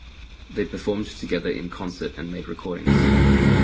They performed together in concert and made recordings.